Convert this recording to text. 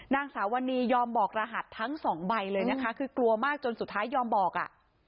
นางสาวนียอมบอกรหัสทั้งสองใบเลยนะคะคือกลัวมากจนสุดท้ายยอมบอกอ่ะ